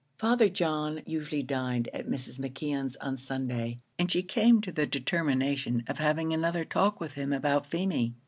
Father John usually dined at Mrs. McKeon's on Sunday, and she came to the determination of having another talk with him about Feemy.